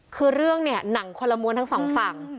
คือเรื่องเนี่ยหนังคนละม้วนทั้งสองฝั่ง